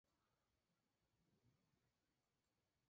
Ya libre volvió a su casa de Goñi donde le esperaba su esposa.